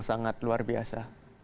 sangat luar biasa